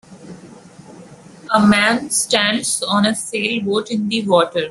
A man stands on a sailboat in the water.